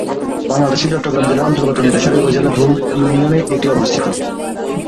বাংলাদেশের চট্টগ্রাম জেলার অন্তর্গত মীরসরাই উপজেলার ধুম ইউনিয়নে এটি অবস্থিত।